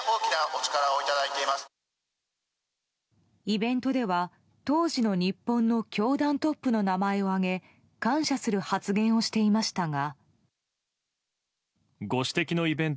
イベントでは、当時の日本の教団トップの名前を挙げ感謝する発言をしていましたが。